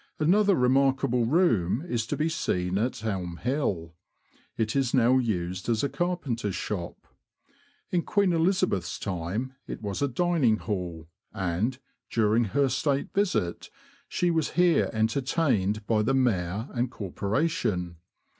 Another remarkable room is to be seen at Elm Hill ; it is now used as a carpenter's shop. In Queen Elizabeth's time it was a dining hall, and, during her State visit, she was here entertained by the Mayor and Corpora tion.